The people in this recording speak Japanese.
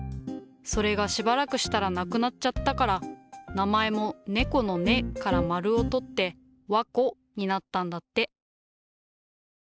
それがしばらくしたらなくなっちゃったから名前も「ねこ」の「ね」から丸を取って「わこ」になったんだって。